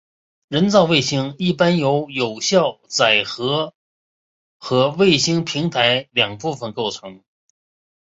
人造卫星一般由有效载荷和卫星平台两部分构成。